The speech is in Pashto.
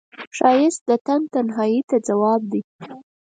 ښایست د تن تنهایی ته ځواب دی